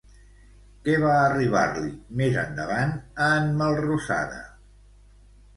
Què va arribar-li més endavant a en Melrosada?